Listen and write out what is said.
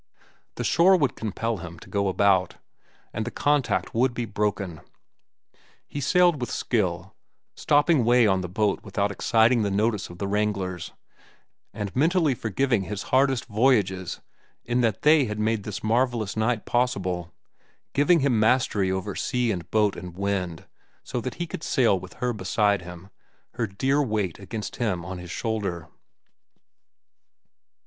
The shore would compel him to go about, and the contact would be broken. He sailed with skill, stopping way on the boat without exciting the notice of the wranglers, and mentally forgiving his hardest voyages in that they had made this marvellous night possible, giving him mastery over sea and boat and wind so that he could sail with her beside him, her dear weight against him on his shoulder.